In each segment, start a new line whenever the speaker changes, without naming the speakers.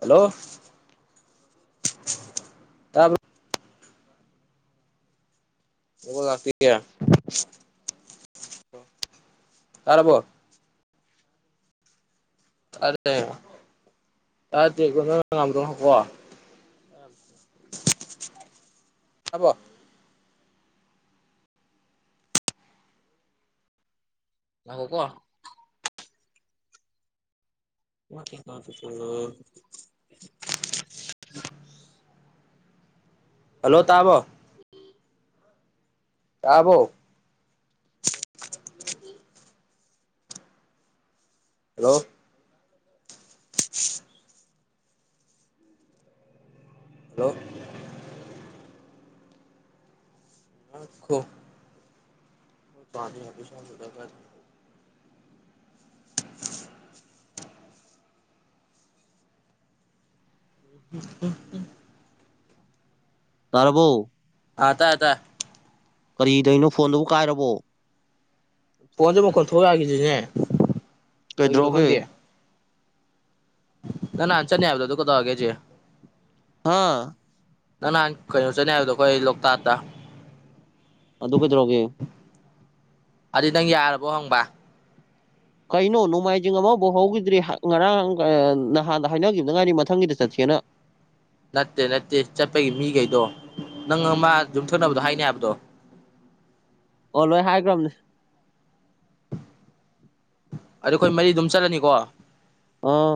hello ꯇꯕ꯭ꯔꯣ ꯕꯨꯕꯣꯜ ꯂꯥꯛꯇ ꯇꯥꯔꯕꯣ ꯑꯔꯦ ꯇꯇꯦꯕ ꯅꯪꯅ ꯉꯥꯡꯕꯗꯣ ꯉꯥꯈꯣꯀꯣ ꯎ ꯍꯕꯣ ꯉꯈꯣꯀꯣ ꯎꯝ ꯍꯜꯂꯣ ꯇꯥꯔꯕꯣ ꯇꯥꯔꯕꯣ ꯍꯜꯂꯣ ꯍꯜꯂꯣ ꯑꯈꯣ [unintelligible] ꯎꯝ ꯎꯝ
ꯇꯥꯔꯕꯣ
ꯑ ꯇꯥꯏ ꯇꯥ
ꯀꯔꯤꯗꯣꯏꯅꯣ ꯐꯣꯟꯗꯨꯕꯨ ꯀꯥꯏꯔꯕꯣ
ꯐꯣꯟꯁꯦ ꯃꯈꯣꯟ ꯊꯣꯛꯎ ꯌꯥꯒꯤꯗ꯭ꯔꯤꯅꯦ
ꯀꯩꯗ꯭ꯔꯣꯒꯦ
ꯅꯪ ꯅꯍꯥꯟ ꯆꯠꯅꯦ ꯍꯥꯏꯕꯗꯣ ꯑꯗꯨ ꯀꯗꯧꯔꯒꯦꯖꯤ
ꯍꯥꯥ
ꯅꯪ ꯅꯍꯥꯟ ꯀꯩꯅꯣ ꯆꯠꯅꯦ ꯍꯥꯏꯕꯗꯣ ꯑꯈꯣꯏ ꯂꯣꯛꯇꯥꯛꯇ
ꯑꯗꯨ ꯀꯩꯗꯧꯔꯒꯦ
ꯑꯗꯨꯗꯤ ꯅꯪ ꯌꯥꯔꯕꯣ ꯍꯪꯕ
ꯀꯩꯅꯣ ꯅꯣꯡꯃꯥꯏꯖꯤꯡ ꯑꯃꯕꯥꯎ ꯍꯧꯈꯤꯗ꯭ꯔꯤ ꯍ ꯉꯔꯥꯡ ꯅꯍꯥꯟꯗ ꯍꯥꯏꯅꯈꯤꯕꯗ ꯉꯥꯏꯔꯤ ꯃꯊꯪꯒꯤꯗ ꯆꯠꯁꯦꯅ
ꯅꯠꯇꯦ ꯅꯠꯇꯦ ꯆꯠꯄꯒꯤ ꯃꯤꯒꯩꯗꯣ ꯅꯪ ꯑꯃꯥ ꯌꯨꯝꯊꯣꯛꯅꯕꯗꯣ ꯍꯥꯏꯅꯤ ꯍꯥꯏꯕꯗꯣ
ꯑꯣ ꯂꯣꯏ ꯍꯥꯏꯈ꯭ꯔꯕꯅꯤ
ꯑꯗꯨ ꯑꯈꯣꯏ ꯃꯔꯤ ꯑꯗꯨꯝ ꯆꯠꯂꯅꯤꯀꯣ
ꯑꯥ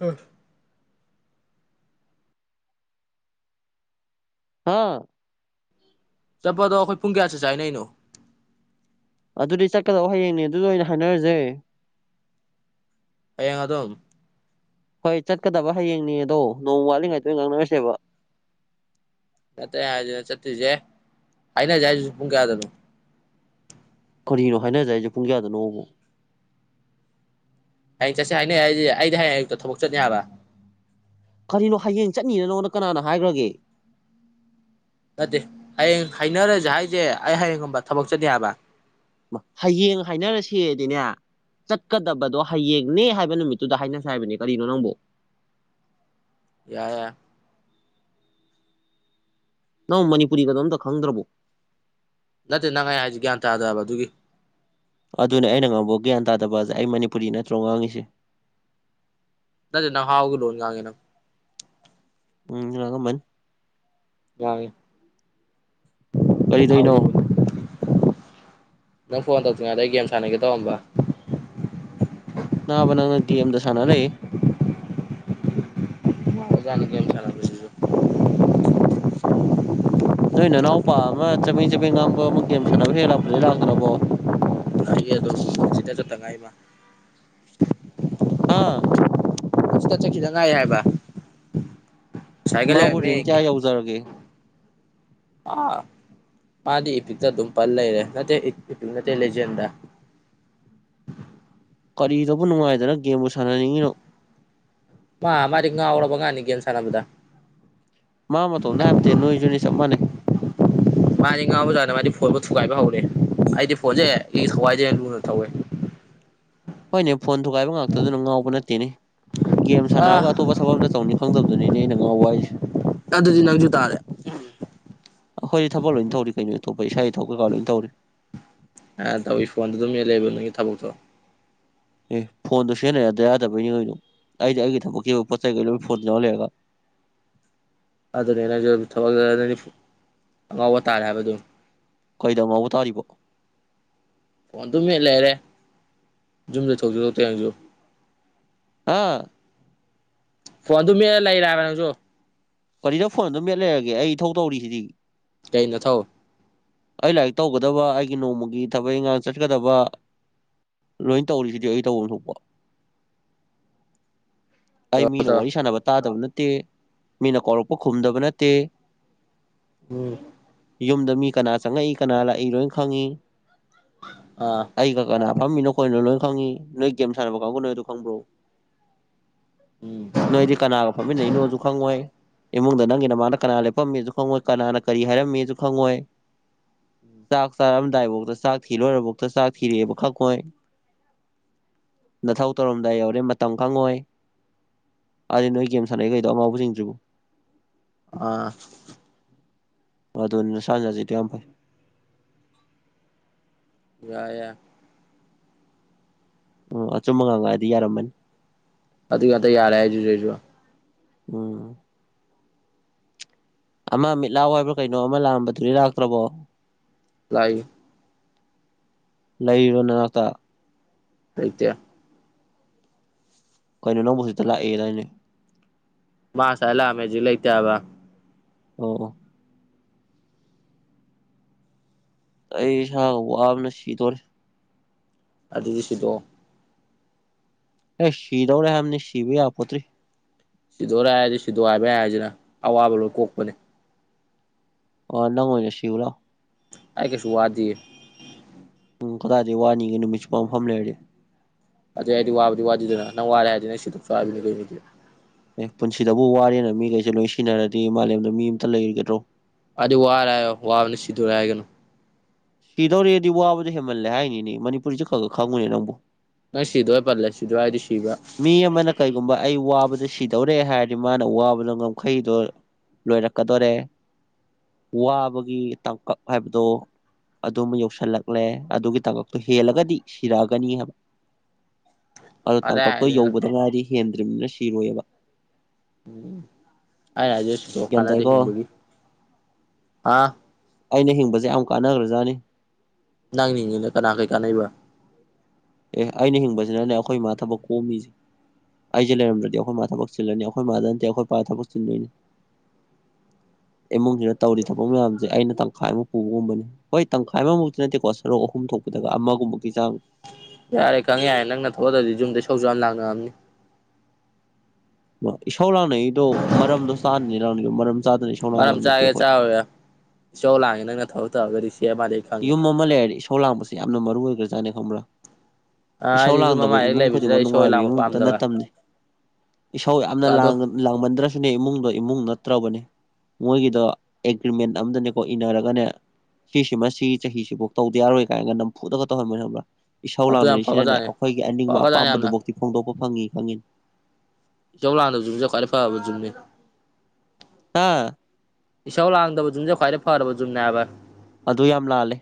ꯑ
ꯍꯥꯥ
ꯆꯠꯄꯗꯣ ꯑꯈꯣꯏ ꯄꯨꯡ ꯀꯌꯥ ꯆꯠꯁꯦ ꯍꯥꯏꯅꯩꯅꯣ
ꯑꯗꯨꯗꯤ ꯆꯠꯀꯗꯧꯕ ꯍꯌꯦꯡꯅꯦ ꯑꯗꯨꯗ ꯑꯣꯏꯅ ꯍꯥꯏꯅꯔꯁꯦ
ꯍꯌꯦꯡ ꯑꯗꯨꯝ
ꯍꯣꯏ ꯆꯠꯀꯗꯕ ꯍꯌꯦꯡꯅꯦ ꯑꯗꯣ ꯅꯣꯡ ꯋꯥꯠꯂꯤꯉꯩꯗ ꯑꯣꯏ ꯉꯥꯡꯅꯔꯁꯦꯕ
ꯅꯠꯇꯦ ꯑꯩ ꯍꯥꯏꯖꯦ ꯆꯠꯇꯨꯏꯁꯦ ꯍꯥꯏꯅꯁꯦ ꯍꯥꯏꯁꯤꯁꯨ ꯄꯨꯡ ꯀꯌꯥꯗꯅꯣ
ꯀꯔꯤꯅꯣ ꯍꯥꯏꯅꯖꯦꯁꯦ ꯍꯥꯏꯖꯦ ꯄꯨꯡ ꯀꯌꯥꯗꯅꯣꯕꯣ
ꯍꯌꯦꯡ ꯆꯠꯁꯦ ꯍꯥꯏꯅꯩ ꯑꯩꯁꯦ ꯑꯩꯗꯤ ꯍꯌꯦꯡ ꯑꯌꯨꯛꯇ ꯊꯕꯛ ꯆꯠꯅꯤ ꯍꯥꯏꯕ
ꯀꯔꯤꯅꯣ ꯍꯌꯦꯡ ꯆꯠꯅꯤꯅ ꯅꯉꯣꯟꯗ ꯀꯅꯥꯅ ꯍꯥꯏꯈ꯭ꯔꯒꯦ
ꯅꯠꯇꯦ ꯍꯌꯦꯡ ꯍꯥꯏꯅꯔꯁꯦ ꯍꯥꯏꯁꯦ ꯑꯩ ꯍꯌꯦꯡꯒꯨꯝꯕ ꯊꯕꯛ ꯆꯠꯅꯤ ꯍꯥꯏꯕ
ꯃ ꯍꯌꯦꯡ ꯍꯥꯏꯅꯔꯁꯦꯗꯤꯅꯦ ꯆꯠꯀꯗꯕꯗꯣ ꯍꯌꯦꯡꯅꯦ ꯍꯥꯏꯕ ꯅꯨꯃꯤꯠꯇꯨꯗ ꯍꯥꯏꯅꯁꯦ ꯍꯥꯏꯕꯅꯦ ꯀꯔꯤꯅꯣ ꯅꯪꯕꯨ
ꯌꯥ ꯌꯥ
ꯅꯪ ꯃꯅꯤꯄꯨꯔꯤꯒꯗꯣ ꯑꯝꯇꯥ ꯈꯪꯗ꯭ꯔꯕꯣ
ꯅꯠꯇꯦ ꯅꯪ ꯍꯥꯏ [unintelligible] ꯒ꯭ꯌꯥꯟ ꯇꯥꯗꯕ ꯑꯗꯨꯒꯤ
ꯑꯗꯨꯅꯦ ꯑꯩꯅ ꯉꯥꯡꯕꯧ ꯒ꯭ꯌꯥꯟ ꯇꯥꯗꯕ ꯑꯖꯦ ꯑꯩ ꯃꯅꯤꯄꯨꯔꯤ ꯅꯠꯇ꯭ꯔꯣ ꯉꯥꯡꯉꯤꯁꯦ
ꯅꯠꯇꯦ ꯅꯪ ꯍꯥꯎꯒꯤ ꯂꯣꯟ ꯉꯥꯡꯉꯦ ꯅꯪ
ꯎꯝ ꯉꯥꯡꯉꯝꯃꯅꯤ
ꯉꯥꯡꯉꯤ
ꯀꯔꯤꯗꯣꯏꯅꯣ
[unintelligible] ꯅꯪ ꯐꯣꯟ ꯇꯧꯇ꯭ꯔꯤꯉꯩꯗ ꯑꯩ ꯒꯦꯝ ꯁꯥꯟꯅꯒꯦ ꯇꯧꯔꯝꯕ
ꯅꯥꯕ ꯅꯪꯅ ꯒꯦꯝꯗ ꯁꯥꯟꯅ ꯂꯩ
ꯍꯧꯖꯤꯛꯀꯥꯟꯗꯤ ꯒꯦꯝ [unintelligible]
ꯅꯣꯏ ꯅꯅꯥꯎꯄꯥ ꯑꯃ ꯆꯕꯦꯡ ꯆꯕꯦꯡ ꯉꯥꯡꯕ ꯑꯃ ꯒꯦꯝ ꯁꯥꯟꯅꯕ ꯍꯦꯛ ꯍꯦꯛ ꯂꯥꯛꯄꯗꯨꯗꯤ ꯂꯥꯛꯇ꯭ꯔꯕꯣ
ꯂꯥꯛꯏ ꯑꯗꯨꯝ [unintelligible] ꯆꯠꯇꯥ ꯉꯥꯏꯔꯤ ꯃꯥ
ꯑꯥ
ꯍꯧꯖꯤꯛꯇ ꯆꯠꯈꯤꯗ ꯉꯥꯏꯔꯤ ꯍꯥꯏꯕ ꯁꯥꯏꯀꯜ
ꯃꯥꯕꯨ
ꯂꯩꯔꯝꯃꯦ
ꯔꯦꯡ ꯀꯌꯥ ꯌꯧꯖꯔꯒꯦ
ꯑꯥ ꯃꯥꯗꯤ ꯏꯄꯤꯛꯇ ꯑꯗꯨꯝ ꯄꯜ ꯂꯩꯔꯦ ꯅꯠꯇꯦ ꯏꯄꯤꯛ ꯅꯠꯇꯦ ꯂꯦꯖꯦꯟꯗ
ꯀꯔꯤꯗꯕꯨ ꯅꯨꯡꯉꯥꯏꯗꯅ ꯒꯦꯝꯕꯨ ꯁꯥꯟꯅꯅꯤꯡꯉꯤꯅꯣ
ꯃꯥ ꯃꯥꯗꯤ ꯉꯥꯎꯔꯕ ꯑꯉꯥꯡꯅꯤ ꯒꯦꯝ ꯁꯥꯟꯅꯕꯗ
ꯃꯥ ꯃꯇꯣꯝꯇꯥ ꯍꯥꯏꯝꯇꯦ ꯅꯣꯏꯖꯨꯅꯤ ꯆꯞ ꯃꯥꯟꯅꯩ
ꯃꯥꯗꯤ ꯉꯥꯎꯕ [unintelligible] ꯃꯥꯗꯤ ꯐꯣꯟꯕꯨ ꯊꯨꯒꯥꯏꯕ [unintelligible] ꯑꯩꯗꯤ ꯐꯣꯟꯖꯦ ꯊꯨꯒꯥꯏꯗꯦ ꯂꯨꯅ ꯇꯧꯋꯦ
ꯍꯣꯏꯅꯦ ꯐꯣꯟ ꯊꯨꯒꯥꯏꯕ ꯉꯥꯛꯇꯗꯨꯅ ꯉꯥꯎꯕ ꯅꯠꯇꯦꯅꯦ ꯒꯦꯝ
ꯑꯥ
ꯁꯥꯟꯅꯔꯒ ꯑꯇꯣꯞꯄ ꯊꯕꯛ ꯑꯝꯇꯥ ꯇꯧꯅꯤ ꯈꯪꯗꯕꯗꯨꯅꯤꯅꯦ ꯑꯩꯅ ꯉꯥꯥꯎꯕ ꯍꯥꯏ [unintelligible]
ꯑꯗꯨꯗꯤ ꯅꯪꯖꯨ ꯇꯥꯔꯦ
ꯑꯩꯈꯣꯏꯗꯤ ꯊꯕꯛ ꯂꯣꯏꯟ ꯇꯧꯔꯤ ꯀꯩꯅꯣ ꯑꯇꯣꯞꯄ ꯏꯁꯥꯒꯤ [unintelligible] ꯇꯧꯔꯤ
ꯑꯥ ꯇꯧꯏ ꯐꯣꯟꯗꯨ ꯑꯗꯨꯝ ꯃꯦꯠ ꯂꯩꯕ ꯅꯪꯒꯤ ꯊꯕꯛꯇꯣ
ꯑꯦ ꯐꯣꯟꯗꯣ ꯁꯤꯖꯤꯟꯅ ꯌꯥꯗ [unintelligible] ꯑꯩꯗꯤ ꯑꯩꯒꯤ ꯊꯕꯛꯀꯤ ꯑꯣꯏꯕ ꯄꯣꯠ ꯆꯩ ꯀꯩ ꯂꯣꯏ ꯐꯣꯟꯗ ꯌꯥꯎꯔ ꯂꯩꯔꯒ
ꯑꯗꯨꯅꯦ ꯅꯪꯖꯨ ꯑꯗꯨꯝ [unintelligible] ꯑꯉꯥꯎꯕ ꯇꯥꯔꯦ ꯍꯥꯏꯕ ꯑꯗꯨꯝ
ꯀꯩꯗ ꯉꯥꯎꯕ ꯇꯥꯔꯤꯕꯣ
ꯐꯣꯟ ꯑꯗꯨꯝ ꯃꯦꯠ ꯂꯩꯔꯦ ꯌꯨꯝꯗ [unintelligible]
ꯑꯥ
ꯐꯣꯟ ꯑꯗꯨꯝ ꯃꯦꯠ ꯂꯩꯔꯦ ꯍꯥꯏꯕ ꯅꯪꯖꯨ
ꯀꯔꯤꯗ ꯐꯣꯟ ꯑꯗꯨꯝ ꯃꯦꯠ ꯂꯩꯔꯒꯦ ꯑꯩ ꯏꯊꯧ ꯇꯧꯔꯤꯖꯤꯗꯤ
ꯀꯩ ꯅꯊꯧ
ꯑꯩ ꯂꯥꯏꯔꯤꯛ ꯇꯧꯒꯗꯕ ꯑꯩꯒꯤ ꯅꯣꯡꯃꯒꯤ ꯊꯕꯛ ꯏꯟꯒꯥꯡ ꯆꯠꯀꯗꯕ ꯂꯣꯏꯟ ꯇꯧꯔꯤꯖꯤꯗꯤ ꯑꯩ ꯇꯧꯕꯝ ꯊꯣꯛꯄ
[inaudible]
ꯑꯩ ꯃꯤꯅ
ꯇꯧꯔꯣ
ꯋꯥꯔꯤ ꯁꯥꯟꯅꯕ ꯇꯥꯗꯕ ꯅꯠꯇꯦ ꯃꯤꯅ ꯀꯧꯔꯛꯄ ꯈꯨꯝꯗꯕ ꯅꯠꯇꯦ
ꯎꯝ
ꯌꯨꯝꯗ ꯃꯤ ꯀꯅꯥ ꯆꯪꯉꯛꯏ ꯀꯅꯥ ꯂꯥꯛꯏ ꯂꯣꯏꯟ ꯈꯪꯉꯤ
ꯑꯥ
ꯑꯩꯒ ꯀꯅꯥ ꯐꯝꯃꯤꯅꯣꯈꯣꯏꯅꯣ ꯂꯣꯏ ꯈꯪꯉꯤ ꯅꯣꯏ ꯒꯦꯝ ꯁꯥꯟꯅꯕ ꯀꯥꯡꯕꯨ ꯅꯣꯏ ꯑꯗꯨ ꯈꯪꯕ꯭ꯔꯣ
ꯎꯝ
ꯅꯣꯏꯗꯤ ꯀꯅꯥꯒ ꯐꯝꯃꯤꯟꯅꯩꯅꯣꯖꯨ ꯈꯪꯉꯣꯏ ꯏꯃꯨꯡꯗ ꯅꯪꯒꯤ ꯅꯃꯥꯡꯗ ꯀꯅꯥ ꯂꯦꯞꯄꯝꯃꯤꯖꯨ ꯈꯪꯉꯣꯏ ꯀꯅꯥꯅ ꯀꯔꯤ ꯍꯥꯏꯔꯝꯃꯤꯖꯨ ꯈꯪꯉꯣꯏ ꯆꯥꯛ ꯆꯥꯔꯝꯗꯥꯏꯕꯧꯗ ꯆꯥꯛ ꯊꯤ ꯂꯣꯏꯔꯕꯧꯇꯥ ꯆꯥꯛ ꯊꯤꯔꯦꯕꯧ ꯈꯪꯉꯣꯏ ꯅꯊꯧ ꯇꯧꯔꯝꯗꯥꯏ ꯌꯧꯔꯦ ꯃꯇꯝ ꯈꯪꯉꯣꯏ ꯑꯥꯗꯤ ꯅꯣꯏ ꯒꯦꯝ ꯁꯅꯒꯧꯗꯣ ꯑꯉꯧꯕꯖꯤꯖꯨ
ꯑ
ꯑꯗꯨꯅꯤ ꯅꯁꯥꯅ ꯌꯥꯖꯁꯤꯗꯤ ꯌꯥꯝ ꯐꯩ
ꯌꯥ
ꯑꯣ ꯑꯆꯨꯝ ꯉꯥꯡꯉꯥꯛꯑꯗꯤ ꯌꯥꯔꯝꯃꯅꯤ
ꯑꯗꯨ ꯑꯗꯩ ꯌꯥꯔꯦ ꯍꯥꯏꯗꯨꯗꯤ ꯑꯩꯗꯨꯁꯨ
ꯎꯝ ꯑꯃ ꯃꯤꯠꯂꯥꯎ ꯍꯥꯏꯕ꯭ꯔꯥ ꯀꯩꯅꯣ ꯑꯃ ꯂꯥꯛꯑꯝꯕꯗꯨꯗꯤ ꯂꯥꯛꯇ꯭ꯔꯕꯣ
ꯂꯛꯏ
ꯂꯩꯕ ꯅꯅꯥꯛꯇ
ꯂꯩꯇꯦ
ꯀꯩꯅꯣ ꯅꯪꯕꯨ ꯍꯧꯇꯤꯛꯇ ꯂꯥꯛꯑꯦꯗꯏꯅꯦ
ꯃꯥ ꯉꯁꯥ ꯂꯛꯑꯥꯝꯃꯦꯕ ꯍꯩꯖꯤꯛ ꯂꯩꯇꯦꯕ
ꯑꯣ ꯑꯣ ꯑꯩ ꯏꯁꯥ ꯋꯥꯕꯅ ꯁꯤꯗꯣꯔꯦ
ꯑꯗꯨꯗꯤ ꯁꯤꯗꯣꯛꯑꯣ
ꯑꯦ ꯁꯤꯗꯧꯔꯦ ꯍꯥꯏꯕꯅꯤ ꯁꯤꯕ ꯌꯥꯄꯣꯠꯇ꯭ꯔꯤ
ꯁꯤꯗꯣꯏꯔꯦ ꯍꯥꯏꯔꯗꯤ ꯁꯤꯗꯣꯏ ꯍꯥꯏꯕ ꯌꯥꯏꯔꯁꯤꯅ ꯑꯋꯥꯕ ꯂꯣꯏ ꯀꯣꯛꯄꯅꯤ
ꯑꯣ ꯅꯪꯑꯣꯏꯅ ꯁꯤꯂꯣ ꯂꯛꯑꯣ
ꯑꯩ ꯀꯩꯁꯨ ꯋꯥꯗꯤꯌꯦ
ꯎꯝ ꯀꯗꯥꯏꯗꯤ ꯋꯥꯅꯤꯡꯒꯦ ꯅꯨꯃꯤꯠꯁꯨꯨꯞꯄꯥ ꯃꯐꯝ ꯂꯩꯔꯗꯤ
ꯑꯗꯨ ꯍꯥꯏꯗꯤ ꯋꯥꯕꯗꯤ ꯋꯥꯗꯗꯅ ꯅꯪ ꯋꯥꯔꯦ ꯍꯥꯏꯗꯤ ꯅꯪ ꯁꯤꯗꯣꯛꯆꯧ ꯍꯥꯏꯕꯅꯤ ꯀꯩꯅꯦꯅꯦ
ꯑꯦ ꯄꯨꯟꯁꯤꯗꯕꯨ ꯋꯥꯔꯦꯅ ꯃꯤꯈꯩꯁꯦ ꯂꯣꯏ ꯁꯤꯟꯅꯔꯗꯤ ꯃꯥꯂꯦꯝꯗ ꯃꯤ ꯑꯃꯇ ꯂꯩꯒꯗ꯭ꯔꯣ
ꯑꯗꯨꯗꯤ ꯋꯥꯔ ꯍꯥꯌꯣ ꯋꯥꯕꯅ ꯁꯤꯗꯨꯔꯦ ꯍꯥꯏꯒꯅꯨ
ꯁꯤꯗꯧꯔꯤꯗꯤ ꯋꯥꯕꯗꯣ ꯍꯦꯃꯜꯂꯦ ꯍꯥꯏꯅꯤꯅꯦ ꯃꯅꯤꯄꯨꯁꯁꯨ ꯈꯔꯒ ꯈꯪꯉꯨꯅꯦ ꯅꯪꯕꯨ
ꯅꯪ ꯁꯤꯗꯧꯔꯦ ꯄꯦꯟꯔꯦ ꯁꯤꯗꯧꯔꯦ ꯍꯥꯏꯔꯗꯤ ꯁꯤꯕ
ꯃꯤ ꯑꯃꯅ ꯀꯩꯒꯨꯝꯕ ꯑꯩ ꯋꯥꯕꯗ ꯁꯤꯗꯧꯔꯦ ꯍꯥꯏꯔꯗꯤ ꯃꯥꯅ ꯋꯥꯕꯗꯣ ꯉꯝꯈꯩꯗꯣ ꯂꯣꯏꯔꯛꯀꯗꯣꯔꯦ ꯋꯥꯕꯒꯤ ꯇꯥꯡꯀꯛ ꯍꯥꯏꯕꯗꯨ ꯑꯗꯨꯝꯕ ꯌꯧꯁꯜꯂꯛꯂꯦ ꯑꯗꯨꯒꯤ ꯇꯥꯡꯀꯛꯇꯣ ꯍꯦꯜꯂꯒꯗꯤ ꯁꯤꯔꯛꯑꯒꯅꯤ ꯍꯥꯏꯕ
[inaudible]
ꯑꯣ ꯇꯥꯡꯀꯛꯇꯣ
ꯍꯥꯏꯔꯤꯅꯦ
ꯌꯧꯕꯗ ꯉꯥꯏꯗꯤ ꯍꯦꯟꯗ꯭ꯔꯤꯕꯅꯤꯅ ꯁꯤꯔꯣꯏꯑꯕ
ꯎꯝ ꯑꯩꯅ ꯍꯥꯏꯖ ꯁꯤꯗꯣꯛꯈꯣ
ꯒ꯭ꯌꯥꯟ
ꯀꯥꯅꯗꯦ
ꯇꯥꯏꯀꯣ
ꯍꯤꯡꯕꯒꯤ ꯑꯥ
ꯑꯩꯅ ꯍꯤꯡꯕꯁꯦ ꯌꯥꯝ ꯀꯥꯟꯅꯈ꯭ꯔꯖꯥꯠꯅꯤ
ꯅꯪꯅ ꯍꯤꯡꯗꯅ ꯀꯅꯥ ꯀꯩ ꯀꯥꯟꯅꯩꯕ
ꯑꯦ ꯑꯩꯅ ꯍꯤꯡꯕꯁꯤꯅꯅꯦ ꯑꯩꯈꯣꯏ ꯃꯥꯃ ꯊꯕꯛ ꯀꯣꯝꯃꯤꯁꯦ ꯑꯩꯁꯦ ꯂꯩꯝꯗ꯭ꯔꯗꯤ ꯑꯩꯈꯣꯏ ꯃꯥ ꯊꯕꯛ ꯆꯤꯜꯂꯅꯤ ꯑꯩꯈꯣꯏ ꯃꯥꯗ ꯅꯠꯇꯦ ꯑꯩꯈꯣꯏ ꯄꯥꯗ ꯊꯕꯛ ꯆꯤꯟꯗꯣꯏꯅꯤ
ꯎ
ꯏꯃꯨꯡꯁꯤꯅ ꯇꯧꯔꯤ ꯊꯕꯛ ꯃꯌꯥꯝꯁꯦ ꯑꯩꯅ ꯇꯪꯈꯥꯏ ꯑꯃ ꯄꯨꯕꯒꯨꯝꯕꯅꯦ ꯍꯣꯏ ꯇꯪꯈꯥꯏ ꯑꯃꯃꯨꯛꯇꯤ ꯅꯠꯇꯦꯀꯣ ꯁꯔꯨꯛ ꯑꯍꯨꯝ ꯊꯣꯛꯄꯗꯒ ꯑꯃꯒꯨꯝꯕꯒꯤ ꯆꯥꯡ
ꯌꯥꯔꯦ ꯈꯪ ꯌꯥꯔꯦ ꯅꯪꯅ ꯊꯣꯛꯂꯑꯗꯗꯤ ꯌꯨꯝꯗꯩ ꯁꯧꯁꯨ ꯌꯥꯝ ꯂꯥꯛꯅꯔꯑꯝꯅꯤ
ꯏꯁꯧ ꯂꯥꯡꯅꯩꯗꯣ ꯃꯔꯝꯗꯣ ꯆꯥꯗꯅꯤ ꯂꯥꯛꯅꯗꯣ ꯃꯔꯝ ꯆꯥꯗꯅꯤ
ꯃꯔꯝ ꯆꯥꯒꯦ ꯆꯥꯒꯦ ꯏꯆꯧ ꯂꯥꯡꯉꯦ ꯅꯪꯅ ꯊꯕꯛ ꯇꯧꯔꯒꯗꯤ ꯁꯤꯦ ꯃꯥ
ꯌꯨꯝ ꯑꯃ ꯂꯩꯔꯗꯤ ꯏꯁꯣꯔ ꯂꯥꯡꯄꯁꯦ ꯌꯥꯝꯅ ꯃꯔꯨ ꯑꯣꯏꯈ꯭ꯔꯖꯥꯠꯅꯦ ꯈꯪꯕ꯭ꯔꯥ ꯏꯁꯧ
ꯑꯩꯗꯤ ꯌꯨꯝ
ꯂꯥꯡꯗꯕ
ꯑꯃ ꯍꯦꯛ
ꯏꯃꯨꯡ ꯈꯨꯗꯤꯡꯃꯛ
ꯂꯩꯕꯁꯤꯗ ꯏꯁꯧ
ꯅꯨꯡꯉꯥꯏꯕ
ꯂꯥꯡꯕ
ꯏꯃꯨꯡ ꯑꯃꯝꯇ
ꯄꯥꯝꯗꯕ
ꯅꯠꯇꯕꯅꯤ ꯏꯁꯧ ꯌꯥꯝꯅ
ꯑꯗꯣ
ꯂꯥꯡꯃꯟꯗ꯭ꯔꯁꯨꯅꯦ ꯏꯃꯨꯡꯗꯣ ꯏꯃꯨꯡ ꯅꯠꯇ꯭ꯔꯕꯅꯤ ꯃꯣꯏꯒꯤꯗꯣ ꯑꯦꯒ꯭ꯔꯤꯃꯦꯟ ꯑꯝꯗꯅꯦꯀꯣ ꯏꯟꯅꯔꯒꯅꯦ ꯐꯤ ꯁꯤꯡꯃꯁ ꯁꯤ ꯆꯍꯤꯁꯤꯐꯥꯎ ꯇꯧꯗ ꯌꯥꯔꯣꯏ ꯀꯥꯏꯅꯒ ꯅꯝꯐꯨꯗꯒ ꯇꯧꯍꯟꯕ ꯅ‌ꯦ ꯈꯪꯕ꯭ꯔꯥ ꯏꯁꯥꯎ
ꯑꯗꯨ ꯌꯥꯝ
ꯂꯥꯛꯅꯔꯤꯁꯤꯅꯅꯦ
ꯐꯒ꯭ꯔꯖꯥꯠꯅꯤ
ꯑꯩꯈꯣꯏꯒꯤ ꯑꯅꯤꯡꯕ
ꯐꯒ꯭ꯔꯖꯥꯠꯅꯤ ꯌꯥꯝꯅ
ꯑꯄꯥꯝꯕꯗꯨꯕꯥꯎꯗꯤ ꯐꯣꯡꯗꯣꯛꯄ ꯐꯪꯉꯤ ꯈꯪꯉꯤ
ꯏꯖꯧ ꯂꯥꯟꯗꯕꯖꯨꯝꯅꯤ‌ ꯀ꯭ꯋꯥꯏ ꯐꯕ ꯖꯨꯅꯤ
ꯍꯥꯥ
ꯏꯁꯧ ꯂꯥꯡꯗꯗꯨꯅ‌ꯦ‌ ꯈ꯭ꯋꯥꯏꯩ ꯐꯔꯕ ꯖꯨꯅꯦꯕ
ꯑꯗꯨ ꯌꯥꯝ ꯂꯥꯜꯂꯦ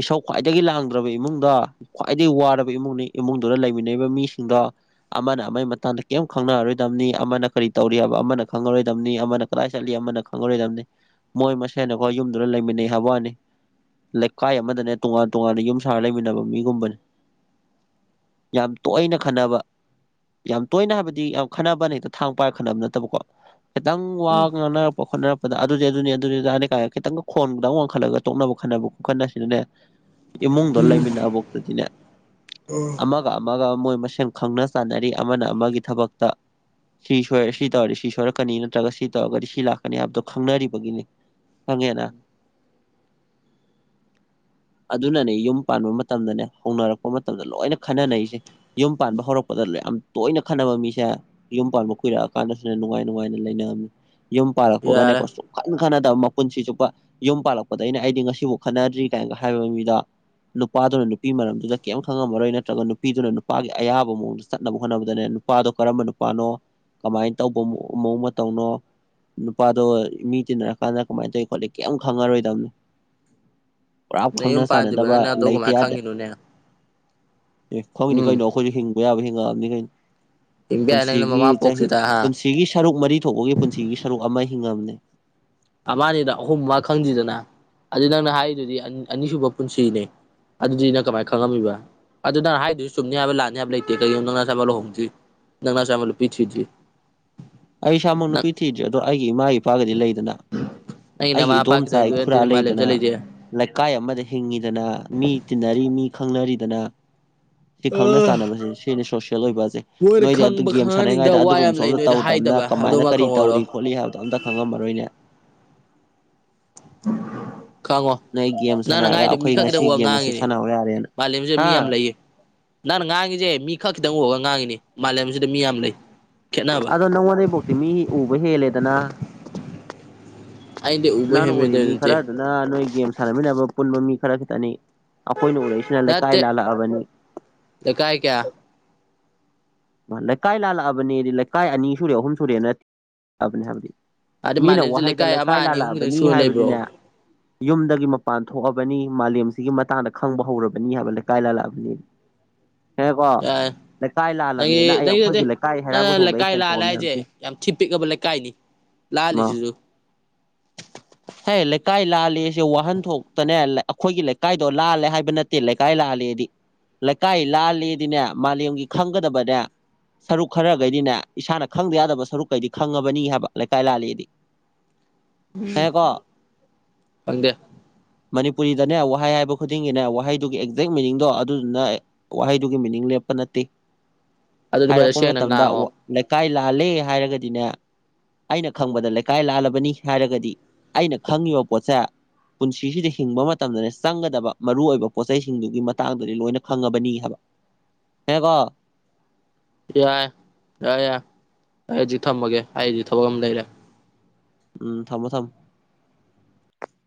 ꯏꯁꯧ ꯈ꯭ꯋꯥꯏꯗꯒꯤ ꯂꯥꯡꯗ꯭ꯔꯕ ꯏꯃꯨꯡꯗ‌ꯣ ꯈ꯭ꯋꯥꯏꯗꯩ ꯋꯥꯔꯕ ꯏꯃꯨꯡꯅꯤ ꯏꯃꯨꯡꯗꯨꯗ ꯂꯩꯃꯤꯟꯅꯩꯕ ꯃꯤꯁꯤꯡꯗ ꯑꯃꯅ ꯑꯃꯒꯤ ꯃꯇꯥꯡꯗ ꯀꯌ‌ꯦꯝ ꯈꯪꯅꯔꯔꯣꯏꯗꯕꯅꯤ ꯑꯃꯅ ꯀꯔꯤ ꯇꯧꯔꯤ ꯍꯥꯏꯕ ꯑꯃꯅ ꯈꯪꯉꯔꯣꯏꯗꯕꯅꯤ ꯑꯃꯅ ꯀꯗꯥꯏ ꯆꯠꯂꯤ ꯑꯃꯅ ꯈꯪꯉꯔ‌ꯣꯏꯗꯝꯅꯤ ꯃꯣꯏ ꯃꯁꯦꯟꯅ ꯍ‌ꯣꯏ ꯌꯨꯝꯗꯨꯗ ꯂꯩꯃꯤꯟꯅꯩ ꯍꯥꯏꯕ‌ꯋꯥꯅꯤ ꯀꯥꯏ ꯑꯃꯗꯅꯦ ꯇꯣꯉꯥꯟ ꯇꯣꯉꯥꯟꯅ ꯌꯨꯝ ꯁꯥꯔ ꯂꯩꯃꯤꯟꯅꯕ ꯃꯤꯒꯨꯝꯕꯅꯦ ꯌꯥꯝ ꯇꯣꯏꯅ ꯈꯟꯅꯕ ꯌꯥꯝ ꯇꯣꯏꯅ ꯍꯥꯏꯕꯗꯤ ꯌꯥꯝ ꯈꯠꯅꯕꯅ ꯅꯩꯗ ꯊꯥꯡ ꯄꯥꯏꯔ ꯈꯠꯅꯕ ꯅꯠꯇꯕꯀꯣ ꯈꯤꯇꯪ ꯋꯥ ꯉꯥꯡꯅꯔꯛꯄ ꯈꯣꯠꯅꯔꯛꯄꯗ ꯑꯗꯨꯗꯤ ꯑꯗꯨꯅꯤ ꯑꯗꯨꯗꯤ ꯑꯗꯥꯅ‌ꯦ ꯀꯥꯏ ꯈꯤꯇꯪ ꯈꯣꯟꯗꯪ ꯋꯥꯡꯈꯠꯂꯒ ꯇꯣꯛꯅꯕ ꯈꯟꯅꯕ ꯈꯨꯈꯟ ꯅꯁꯤꯅꯅꯦ ꯏꯃꯨꯡꯗꯣ ꯂꯩꯃꯤꯟꯅꯕ‌ꯣꯛꯇꯗꯤꯅꯦ ꯑꯃ ꯑꯃꯒ ꯃꯣꯏ ꯃꯁꯦꯟ ꯈꯪꯅ ꯆꯥꯟꯅꯔꯤ ꯑꯃꯅ ꯑꯃꯒꯤ ꯊꯕꯛꯇ ꯁꯤ ꯁꯣꯏ ꯁꯤ ꯇꯧꯔꯗꯤ ꯁꯤ ꯁꯣꯏꯔꯛꯀꯅꯤ ꯅꯠꯇ꯭ꯔꯒ ꯁꯤ ꯇꯧꯔꯒꯗꯤ ꯁꯤ ꯂꯥꯛꯀꯅꯤ ꯍꯥꯏꯕꯗꯣ ꯈꯪꯅꯔꯤꯕꯒꯤꯅꯤ ꯈꯪꯉ‌ꯦꯅ ꯑꯗꯨꯅꯅꯦ ꯌꯨꯝ ꯄꯥꯟꯕ ꯃꯇꯝꯗꯅꯦ ꯍꯧꯅꯔꯛꯄ ꯃꯇꯝꯗ ꯂꯣꯏꯅ ꯈꯟꯅꯅꯩꯁꯦ ꯌꯨꯝ ꯄꯥꯟꯕ ꯍꯧꯔꯛꯄꯗ ꯌꯥꯝ ꯇꯣꯏꯅ ꯈꯠꯅꯕ ꯃꯤꯁꯦ ꯌꯨꯝ ꯄꯥꯟꯕ ꯀꯨꯏꯔꯛꯑ ꯀꯥꯟꯗꯖꯨꯅ‌ꯦ ꯅꯨꯡꯉꯥꯏ ꯅꯨꯡꯉꯥꯏꯅ ꯂꯩꯅꯝꯃꯤ ꯌꯨꯝ ꯄꯥꯜꯂꯛꯄꯒꯅꯦꯀꯣ
ꯌꯥꯔꯦ
ꯁꯨꯈꯟ ꯈꯅꯗꯕ ꯃꯄꯨꯟꯁꯤ ꯆꯨꯞꯄ ꯌꯨꯝ ꯄꯥꯜꯂꯛꯄꯗꯩꯅ‌ꯦ ꯑꯩꯗꯤ ꯉꯁꯤ ꯁꯤꯃꯨꯛ ꯈꯠꯅꯗ꯭ꯔꯤ ꯀꯥꯏꯅꯒ ꯍꯥꯏꯕ ꯃꯤꯗ ꯅꯨꯄꯥꯗꯨꯅ ꯅꯨꯄꯤ ꯃꯔꯝꯗꯨꯗ ꯀꯌ‌ꯦꯝ ꯈꯪꯉꯝꯃꯔꯣꯏ ꯅꯠꯇ꯭ꯔꯒ ꯅꯨꯄꯤꯗꯨꯅ ꯅꯨꯄꯥꯒꯤ ꯑꯌꯥꯕ ꯃꯑꯣꯡꯗ ꯆꯠꯅꯕ ꯍꯣꯠꯅꯕꯗꯅꯦ ꯅꯨ ꯄꯥꯗꯣ ꯀꯔꯝꯕ ꯅꯨꯄꯥꯅꯣ ꯀꯃꯥꯏꯅ ꯇꯧꯕ ꯃꯑꯣꯡ ꯃꯇꯧꯅꯣ ꯅꯨꯄꯥꯗꯣ ꯃꯤ ꯇꯤꯟꯅꯔꯀꯥꯟꯗ ꯀꯃꯥꯏ ꯇꯧꯋꯤ ꯈꯣꯠꯂꯤ ꯀꯌ‌ꯦꯝ ꯈꯪꯉꯔꯣꯏꯗꯝꯅꯤ
ꯅꯌꯨꯝ ꯄꯥꯟꯗꯤꯕ
ꯆꯥꯟꯅꯗꯕ
ꯅꯪꯅ ꯑꯗꯨ
ꯂꯩꯇ
ꯀꯃꯥꯏꯅ
ꯌꯥꯗ
ꯈꯪꯉꯤꯅ‌ꯣꯅ‌ꯦ
ꯑꯦ ꯈꯪꯉꯤꯅꯤ ꯀꯩꯅꯣ ꯑꯩꯈꯣꯏꯖꯨ ꯍꯤꯡꯕ ꯌꯥꯕ ꯍꯤꯡꯉꯛꯑꯝꯅꯤ ꯀꯩꯅꯣ
ꯍꯤꯡꯕ ꯌꯥꯏ ꯅꯪꯅ
ꯄꯨꯟꯁꯤꯒꯤ ꯆꯍꯤ
ꯃꯃꯥꯄꯣꯛꯁꯤꯗ ꯍꯥ
ꯄꯨꯟꯁꯤꯒꯤ ꯁꯔꯨꯛ ꯃꯔꯤ ꯊꯣꯛꯄꯒꯤ ꯄꯨꯟꯁꯤꯒꯤ ꯁꯔꯨꯛ ꯑꯃ ꯍꯤꯡꯉꯝꯅꯤ
ꯑꯃꯅꯤꯗ ꯑꯍꯨꯝ ꯑꯃ ꯈꯪꯗꯤꯗꯅ ꯑꯗꯨ ꯅꯪꯅ ꯍꯥꯏꯔꯤꯗꯨꯗꯤ ꯑ ꯑꯅꯤꯁꯨꯕ ꯄꯨꯟꯁꯤꯅꯤ ꯑꯗꯨꯗꯤ ꯅꯪ ꯀꯃꯥꯏꯅ ꯈꯪꯉꯝꯃꯤꯕ ꯑꯗꯨ ꯅꯪ ꯍꯥꯏꯗꯣꯏꯖꯨ ꯆꯨꯝꯅꯤ ꯍꯥꯏꯕ ꯂꯥꯟꯅꯤ ꯍꯥꯏꯕ ꯂꯩꯇꯦ ꯀꯩꯒꯤꯅꯣ ꯅꯪ ꯅꯥꯁꯥꯃꯛ ꯂꯨꯍꯣꯡꯗꯤ ꯅꯪ ꯅꯁꯥꯃꯥꯛ ꯅꯨꯄꯤ ꯊꯤꯗ꯭ꯔꯤ
ꯑꯩ ꯏꯁꯥꯃꯛ
ꯅꯪ
ꯅꯨꯄꯤ ꯊꯤꯗ꯭ꯔꯤ ꯑꯗꯣ ꯑꯩꯒꯤ ꯏꯃꯥ ꯏꯄꯥꯒꯗꯤ ꯂꯩꯗꯅ
ꯅꯪꯒꯤ
ꯑꯩꯒꯤ
ꯅꯃꯥ ꯃꯄꯥ
ꯏꯗꯣꯝꯆꯥ
ꯈꯤꯇꯪ ꯍꯦꯟꯗꯣꯏ
ꯏꯈꯨꯔꯥ
ꯅꯠꯇꯦꯅꯦ ꯃꯥ
ꯂꯩꯗꯅ
ꯂꯦꯝꯖꯜꯂꯛꯏꯁꯦ
ꯂꯩꯀꯥꯏ ꯑꯃꯗ ꯍꯤꯡꯉꯤꯗꯅ ꯃꯤ ꯇꯤꯟꯅꯔꯤ ꯃꯤ ꯈꯪꯅꯔꯤꯗꯅ ꯁꯤ ꯈꯪꯅ
ꯑ
ꯆꯥꯟꯅꯕꯁꯦ ꯁꯤꯅꯤ ꯁꯣꯁꯦꯜ ꯑꯣꯏꯕꯖ‌ꯦ
ꯃꯣꯏꯅ
ꯅꯣꯏꯗꯤ ꯑꯗꯨ
ꯈꯪꯕ
ꯒꯦꯝ
ꯈꯪꯍꯟꯅꯤꯡꯗꯕ
ꯁꯥꯟꯅꯉꯥꯏꯗ
ꯋꯥ ꯌꯥꯝ
ꯑꯗꯨꯒꯨꯝꯕꯁꯨ
ꯂꯩ
ꯑꯝꯇ
ꯅꯣꯏꯗ
ꯇꯧ ꯅ
ꯍꯥꯏꯗꯕ
ꯀꯃꯥꯏꯅ
ꯑꯗꯨꯃ
ꯀꯔꯤ
ꯈꯪꯍꯧꯔꯣ
ꯇꯧꯔꯤ ꯈꯣꯠꯂꯤ ꯍꯥꯏꯕꯗꯣ ꯑꯝꯇ ꯈꯪꯉꯝꯃꯔꯣꯏꯅꯦ
[inaudible] ꯈꯪꯉꯣ
ꯅꯣꯏ ꯒꯦꯝ
ꯅꯪꯅ
ꯁꯥꯟꯅꯔꯒ
ꯉꯥꯏꯗꯣ ꯃꯤ
ꯑꯩꯈꯣꯏ
ꯈꯛ
ꯉꯁꯤ
ꯈꯤꯇꯪ ꯋꯥ
ꯒꯦꯝ ꯑꯁꯤ
ꯉꯥꯡꯉꯤꯅꯦ
ꯁꯥꯟꯅꯍꯧ ꯌꯥꯔꯦꯅ
ꯃꯥꯂꯦꯝꯁꯤꯗ
ꯍꯥ
ꯃꯤ ꯌꯥꯝ ꯂꯩꯌꯦ ꯅꯪꯅ ꯉꯥꯡꯉꯤꯖ‌ꯦ ꯃꯤ ꯈꯛ ꯈꯤꯇꯪ ꯎꯔꯒ ꯉꯥꯡꯉꯤꯅ‌ꯦ ꯃꯥꯂꯦꯝꯖꯤꯗ ꯃꯤ ꯌꯥꯝ ꯂꯩ ꯈꯦꯠꯅꯕ
ꯑꯗꯣ ꯅꯉꯣꯟꯗꯩꯕ‌ꯣꯛꯇꯤ ꯃꯤ ꯎꯕ ꯍꯦꯜꯂꯦꯗꯅ
ꯑꯩꯗꯤ ꯎꯕ
ꯅꯪꯅ ꯎꯔꯤ
ꯍꯦꯟꯕꯗ
ꯃꯤ
ꯅꯠꯇꯦ
ꯈꯔꯗꯨ ꯅ ꯅꯣꯏ ꯒꯦꯝ ꯁꯥꯟꯅꯃꯤꯟꯅꯕ ꯄꯨꯟꯕ ꯃꯤ ꯈꯔ ꯈꯤꯇꯅꯤ ꯑꯈꯣꯏꯅ ꯎꯔꯛꯏꯁꯤꯅ ꯂꯩꯀꯥꯏ ꯂꯥꯜꯂꯛꯑꯕꯅꯤ
ꯂꯀꯥꯏ ꯀꯌꯥ
ꯃꯥ ꯂꯩꯀꯥꯏ ꯂꯥꯜꯂꯛꯑꯕꯅꯦꯗꯤ ꯂꯩꯀꯥꯏ ꯑꯅꯤ ꯁꯨꯔꯦ ꯑꯍꯨꯝ ꯁꯨꯔꯦꯅ ꯑꯕꯅꯤ ꯍꯥꯏꯕꯗꯤ
ꯑꯗꯩ
ꯃꯤꯅ
ꯃꯥꯂꯦꯝꯁꯦ
ꯋꯥꯍꯩꯗ
ꯑꯃ
ꯂꯩꯀꯥꯏ
ꯑꯅꯤ ꯑꯍꯨꯝ ꯈꯤꯇꯪ
ꯂꯥꯜꯂꯛꯑꯕꯅꯤ
ꯁꯨꯔ
ꯍꯥꯏꯕꯗꯤꯅꯦ
ꯂꯩꯕ꯭ꯔꯣ
ꯌꯨꯝꯗꯒꯤ ꯃꯄꯥꯟ ꯊꯣꯛꯑꯕꯅꯤ ꯃꯥꯂꯦꯝꯁꯤꯒꯤ ꯃꯇꯥꯡꯗ ꯈꯪꯕ ꯍꯧꯔꯕꯅꯤ ꯍꯥꯏꯕ ꯂꯩꯀꯥꯏ ꯂꯥꯜꯂꯛꯑꯕꯅꯦꯗꯤ
[inaudible]
ꯍꯦ ꯀꯣ ꯂꯩ ꯀꯥꯏ ꯂꯥꯜꯂꯛ__
ꯑꯦ ꯅꯪꯒꯤ ꯅꯠꯇꯦ ꯅꯪꯅ ꯂꯩꯀꯥꯏ ꯂꯥꯜꯂꯦ
ꯇꯣꯛꯑꯝꯅꯦ
ꯍꯥꯏꯖꯦ
ꯍꯥꯏꯕꯗꯤ
ꯌꯥꯝ ꯊꯤ ꯄꯤꯛꯑꯕ ꯂꯩꯀꯥꯏꯅꯤ
ꯃꯥ
ꯂꯥꯜꯂꯤꯖꯤꯖꯨ
ꯍꯦ ꯂꯩꯀꯥꯏ ꯂꯥꯜꯂꯦꯁꯦ ꯋꯥꯍꯟꯊꯣꯛꯇꯅꯦ ꯂ ꯑꯩꯈꯣꯏꯒꯤ ꯂꯩꯀꯥꯏꯗꯣ ꯂꯥꯜꯂꯦ ꯍꯥꯏꯕ ꯅꯠꯇꯦ ꯂꯩꯀꯥꯏ ꯂꯥꯜꯂꯦꯗꯤ ꯂꯩꯀꯥꯏ ꯂꯥꯜꯂꯦꯗꯤꯅꯦ ꯃꯥꯂꯦꯝꯒꯤ ꯈꯪꯒꯗꯕꯅꯦ ꯁꯔꯨꯛ ꯈꯔꯒꯩꯗꯤꯅꯦ ꯏꯁꯥꯅ ꯈꯪꯗꯌꯥꯗꯕ ꯁꯔꯨꯛꯀꯩꯗꯤ ꯈꯪꯉꯕꯅꯤ ꯍꯥꯏꯕ ꯂꯩꯀꯥꯏ ꯂꯥꯜꯂꯦꯗꯤ
[inaudible]
ꯑꯦꯀꯣ
ꯈꯪꯗꯦ
ꯃꯅꯤꯄꯨꯔꯤꯗꯅꯦ ꯋꯥꯍꯩ ꯍꯥꯏꯕ ꯈꯨꯗꯤꯡꯒꯤꯅꯦ ꯋꯥꯍꯩꯗꯨꯒꯤ ꯑꯦꯛꯖꯦꯛ ꯃꯤꯅꯤꯡꯗꯣ ꯑꯗꯨꯗꯨꯅ ꯑꯦ ꯋꯥꯍꯩꯗꯨꯒꯤ ꯃꯤꯅꯤꯡ ꯂꯦꯞꯄ ꯅꯠꯇꯦ
ꯑꯗꯨꯗꯤ ꯐꯖ
ꯍꯥꯏꯔꯛꯄ
ꯁꯦꯡꯅ
ꯃꯇꯝꯗ
ꯉꯥꯡꯉꯣ
ꯋꯥ ꯂꯩꯀꯥꯏ ꯂꯥꯜꯂꯦ ꯍꯥꯏꯔꯒꯗꯤꯅꯦ ꯑꯩꯅ ꯈꯪꯕꯗ ꯂꯩꯀꯥꯏ ꯂꯥꯜꯂꯕꯅꯤ ꯍꯥꯏꯔꯒꯗꯤ ꯑꯩꯅ ꯈꯪꯉꯤꯕ ꯄꯣꯠꯁꯦ ꯄꯨꯟꯁꯤꯁꯤꯗ ꯍꯤꯡꯕ ꯃꯇꯝꯗꯅꯦ ꯆꯪꯒꯗꯕ ꯃꯔꯨꯑꯣꯏꯕ ꯄꯣꯠꯆꯩꯁꯤꯡꯗꯨꯒꯤ ꯃꯇꯥꯡꯗꯗꯤ ꯂꯣꯏꯅ ꯈꯪꯉꯕꯅꯤ ꯍꯥꯏꯕ ꯍꯦꯒꯣ
ꯌꯥꯏ ꯌꯥꯔꯦ ꯌꯥꯏ ꯑꯩ ꯍꯧꯖꯤꯛ ꯊꯝꯃꯒꯦ ꯑꯩꯗꯤ ꯊꯕꯛ ꯑꯃ ꯂꯩꯔꯦ
ꯎꯝ ꯊꯝꯃꯣ ꯊꯝꯃꯣ